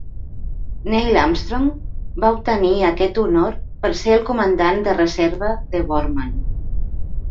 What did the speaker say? Neil Armstrong va obtenir aquest honor per ser el comandant de reserva de Borman.